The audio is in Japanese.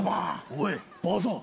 おいばあさん